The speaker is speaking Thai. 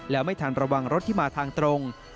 แล้วไม่ทันระวังรถที่มาทางตรง